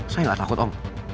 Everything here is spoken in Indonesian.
saya gak takut om